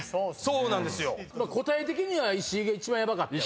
答え的には石井が一番ヤバかったよな。